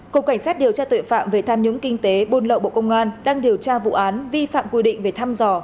cục cảnh sát điều tra tội phạm về tham nhũng kinh tế buôn lậu bộ công an đang điều tra vụ án vi phạm quy định về thăm dò